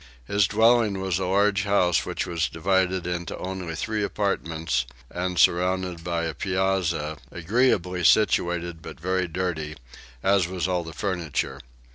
His dwelling was a large house which was divided into only three apartments and surrounded by a piazza, agreeably situated but very dirty, as was all the furniture.